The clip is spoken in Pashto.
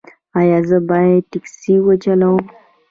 ایا زه باید ټکسي وچلوم؟